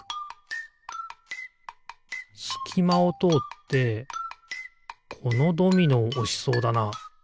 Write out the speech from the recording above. すきまをとおってこのドミノをおしそうだな。